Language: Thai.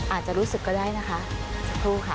อาจจะรู้สึกก็ได้นะคะสักครู่ค่ะ